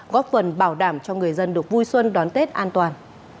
góp phần bảo đảm cho người dân được vui xuân đón tết an toàn